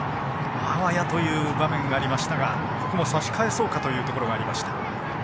あわやという場面もありましたがここも差し返そうかというところがありました。